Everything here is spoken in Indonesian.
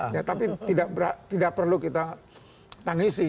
ya tapi tidak perlu kita tangisi